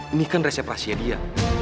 ini kan resep rahasia dia